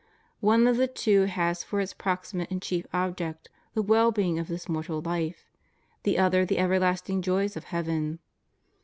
One of the two has for its proximate and chief object the well being of this mortal life; the other the everlasting joys of heaven.